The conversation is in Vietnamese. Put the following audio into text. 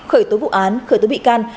khởi tố vụ án khởi tố bị can